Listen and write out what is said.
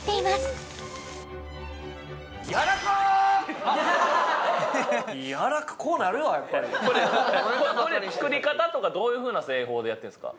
ごめんなバカにしてこれ作り方とかどういうふうな製法でやってるんですか？